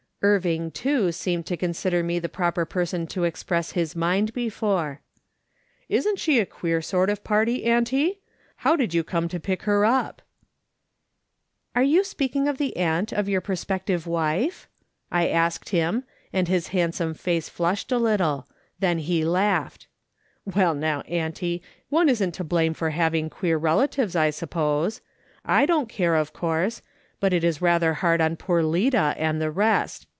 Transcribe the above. Irving, too, seemed to consider me the proper person to express his mind before. " Isn't she a queer sort of party, auntie ? How came you to pick her up ?"" Are you speaking of the aunt of your prospective wife ?" I asked him, and his handsome face flushed a little ; then he laughed. " Well, now, auntie, one isn't to blame for having queer relatives, I suppose. I don't care, of course, but it is rather hard on poor Lida and the rest.